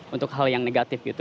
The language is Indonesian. untuk hal yang negatif gitu